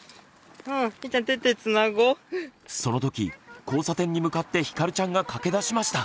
その時交差点に向かってひかるちゃんが駆け出しました。